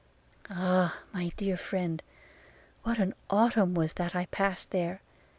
'Ah, my dear friend, what an autumn was that I passed there!